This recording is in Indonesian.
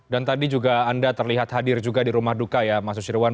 dan tadi juga anda terlihat hadir juga di rumah duka ya mas susirwan